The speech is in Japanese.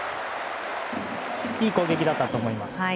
いい攻撃だったと思います。